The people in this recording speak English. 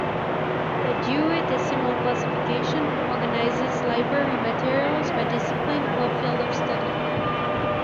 The Dewey Decimal Classification organizes library materials by discipline or field of study.